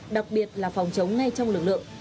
đặc biệt là phòng chống ngay trong lực lượng